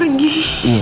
korang bawa baby pergi